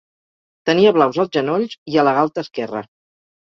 Tenia blaus als genolls i a la galta esquerra.